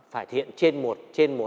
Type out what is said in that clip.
phải hiện trên một